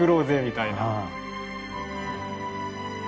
みたいな。